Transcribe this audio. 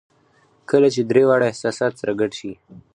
کله چې درې واړه احساسات سره ګډ شي